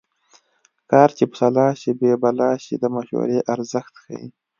کار چې په سلا شي بې بلا شي د مشورې ارزښت ښيي